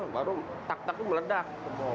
baru tak tak itu meledak